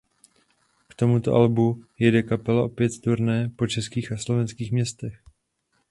K tomuto albu jede kapela opět turné po českých a slovenských městech.